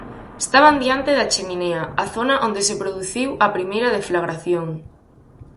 Estaban diante da cheminea, a zona onde se produciu a primeira deflagración.